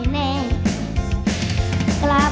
นะครับ